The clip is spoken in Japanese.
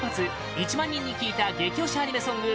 １万人に聞いた激推しアニメソング